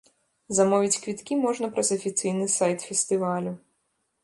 Замовіць квіткі можна праз афіцыйны сайт фестывалю.